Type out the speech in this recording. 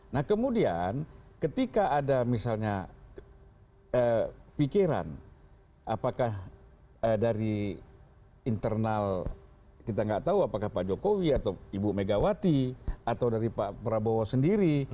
nah kemudian ketika ada misalnya pikiran apakah dari internal kita nggak tahu apakah pak jokowi atau ibu megawati atau dari pak prabowo sendiri